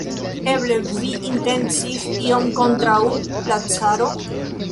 Eble vi intencis ion kontraŭ la caro?